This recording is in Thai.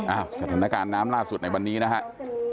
สถานการณ์น้ำล่าสุดในวันนี้นะครับ